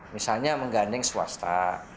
misalnya mengganding swasta